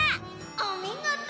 おみごと！